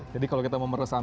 jadi kalau kita mau meresapkan